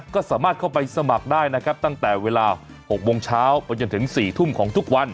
ก็สามารถเข้าไปสมัครได้นะครับตั้งแต่เวลา๖โมงเช้าไปจนถึง๔ทุ่มของทุกวัน